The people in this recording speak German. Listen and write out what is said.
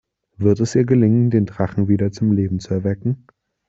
Wird es ihr gelingen, den Drachen wieder zum Leben zu erwecken?